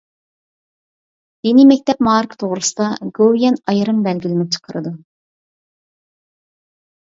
دىنىي مەكتەپ مائارىپى توغرىسىدا گوۋۇيۈەن ئايرىم بەلگىلىمە چىقىرىدۇ.